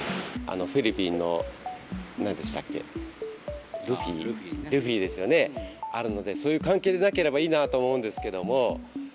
フィリピンのなんでしたっけ、ルフィですよね、あるので、そういう関係でなければいいなと思うんですけれども。